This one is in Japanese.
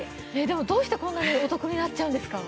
でもどうしてこんなにお得になっちゃうんですか？